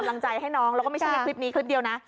กำลังใจให้น้องแล้วก็ไม่ใช่แค่คลิปนี้คลิปเดียวนะ